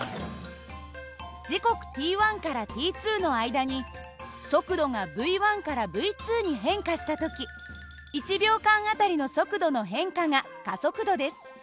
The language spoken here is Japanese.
時刻ｔからｔの間に速度がυからυに変化した時１秒間あたりの速度の変化が加速度です。